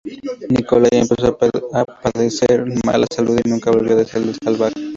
Nikolái empezó a padecer mala salud y nunca volvió del viaje.